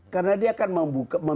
karena dia akan membuat